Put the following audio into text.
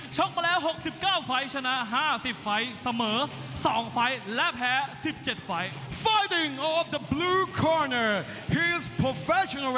มาแล้ว๖๙ไฟล์ชนะ๕๐ไฟล์เสมอ๒ไฟล์และแพ้๑๗ไฟล์